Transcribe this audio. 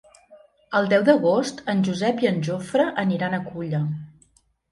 El deu d'agost en Josep i en Jofre aniran a Culla.